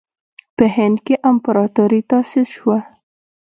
په هند کې امپراطوري تأسیس شوه.